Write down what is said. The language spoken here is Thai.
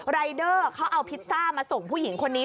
รายเดอร์เขาเอาพิซซ่ามาส่งผู้หญิงคนนี้